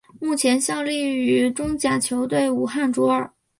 目前效力于中甲球队武汉卓尔。